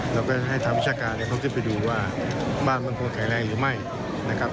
เราก็ให้ทางวิชาการเขาขึ้นไปดูว่าบ้านมันควรแข็งแรงหรือไม่นะครับ